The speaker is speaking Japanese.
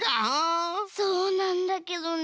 そうなんだけどね。